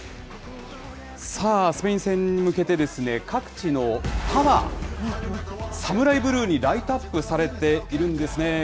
スペイン戦に向けて、各地のタワー、サムライブルーにライトアップされているんですね。